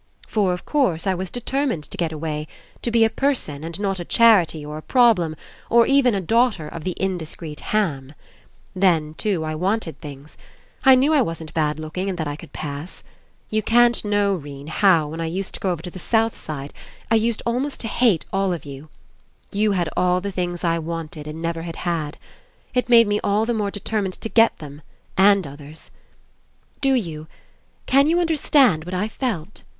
For, of course, I was determined to get away, to be a person and not a charity or a problem, or even a daughter of the indiscreet Ham. Then, too, I 40 ENCOUNTER wanted things. I knew I wasn't bad looking and that I could 'pass.' You can't know, 'Rene, how, when I used to go over to the south side, I used almost to hate all of you. You had all the things I wanted and never had had. It made me all the more determined to get them, and oth ers. Do you, can you understand what I felt?"